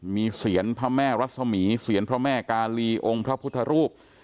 มีเสียงพระแม่รัศมีเสียรพระแม่กาลีองค์พระพุทธรูป